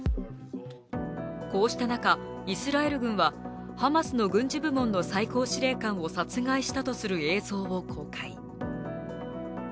こうした中、イスラエル軍はハマスの軍事部門の最高司令官を殺害したとする映像を公開。